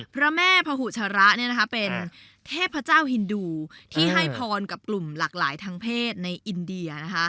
พระแม่พหุชระเป็นเทพเจ้าฮินดูที่ให้พรกับกลุ่มหลากหลายทางเพศในอินเดีย